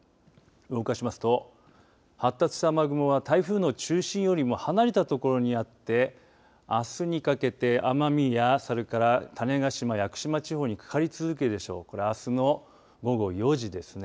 動かしますと発達した雨雲は台風の中心よりも離れたところにあってあすにかけて奄美や、それから種子島や屋久島地方にかかり続けるでしょうからあすの午後４時ですね